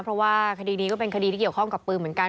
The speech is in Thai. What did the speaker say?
เพราะว่าคดีนี้ก็เป็นคดีที่เกี่ยวข้องกับปืนเหมือนกัน